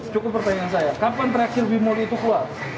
cukup pertanyaan saya kapan terakhir wimor itu keluar